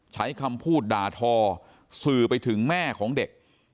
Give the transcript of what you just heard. ใช้คำพูดด่าทอสื่อไปถึงแม่ของเด็ก